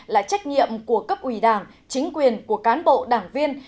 là trách nhiệm của cấp ủy đảng chính quyền của cán bộ đảng viên